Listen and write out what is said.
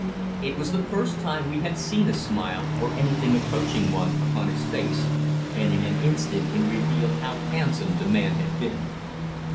It was the first time we had seen a smile, or anything approaching one, upon his face, and in an instant it revealed how handsome the man had been.